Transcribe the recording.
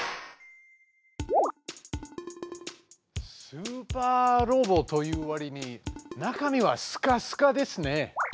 スーパーロボというわりに中身はすかすかですね。